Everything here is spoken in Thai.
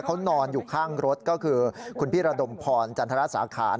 เขานอนอยู่ข้างรถก็คือคุณพี่ระดมพรจันทรสาขาร